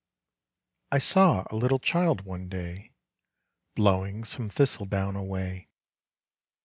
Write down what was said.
I saw a little child one day Blowing some thistle down away.